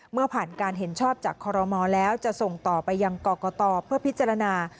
เมื่อผ่านการเห็นชอบจากคอรมอลแล้วจะส่งต่อไปยังกรกตเพื่อพิจารณา